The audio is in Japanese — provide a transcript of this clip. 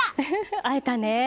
会えたね！